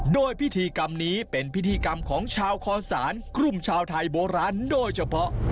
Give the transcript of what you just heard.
โดยพิธีกรรมนี้เป็นพิธีกรรมของชาวคอนศาลกลุ่มชาวไทยโบราณโดยเฉพาะ